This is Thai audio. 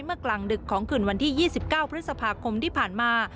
กลางดึกของคืนวันที่๒๙พฤษภาคมที่ผ่านมา